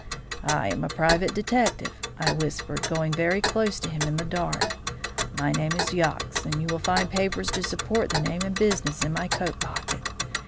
"'I am a private detective,' I whispered, going very close to him in the dark. 'My name is Yox, and you will find papers to support the name and business in my coat pocket.